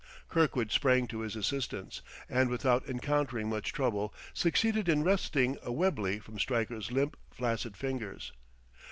Kirkwood sprang to his assistance, and without encountering much trouble, succeeded in wresting a Webley from Stryker's limp, flaccid fingers.